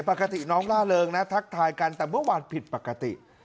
ปกติน้องล่าเริงนะทักทายกันแต่เมื่อวานผิดปกติ